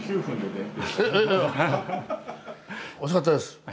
おいしかったです！